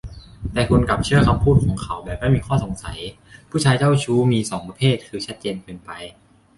แต่คุณกลับเชื่อคำพูดของเขาแบบไม่มีข้อสงสัย ผู้ชายเจ้าชู้มี สอง ประเภท คือ ชัดเจนเกินไป